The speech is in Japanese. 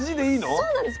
そうなんです。